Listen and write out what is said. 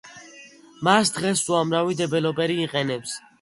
მას დღეს უამრავი დეველოპერი იყენებს.